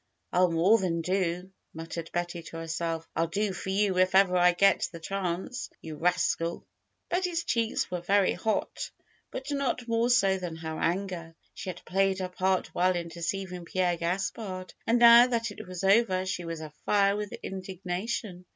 ril more than do muttered Betty to her self. "I'll do for you if ever I get the chance ! You rascal !" Betty's cheeks were very hot; but not more so than her anger. She had played her part well in deceiving Pierre Gaspard, and now that it was over she was afire wdth indignation.